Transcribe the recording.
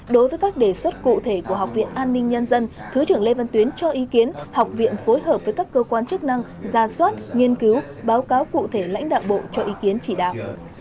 đối với các đề xuất cụ thể của học viện an ninh nhân dân thứ trưởng lê văn tuyến cho ý kiến học viện phối hợp với các cơ quan chức năng ra soát nghiên cứu báo cáo cụ thể lãnh đạo bộ cho ý kiến chỉ đạo